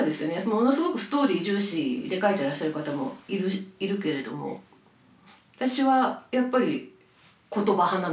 ものすごくストーリー重視で書いてらっしゃる方もいるけれども私はやっぱり言葉派なのでフフッ。